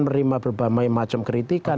menerima berbagai macam kritikan